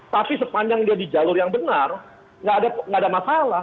tapi sepanjang dia di jalur yang benar nggak ada masalah